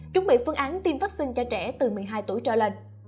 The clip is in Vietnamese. chuẩn bị phương án tiêm vaccine cho trẻ từ một mươi hai tuổi trở lên